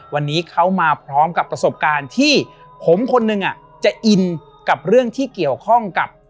วันนี้เขามาพร้อมกับประสบการณ์ที่ผมคนหนึ่งจะอินกับเรื่องที่เกี่ยวข้องกับ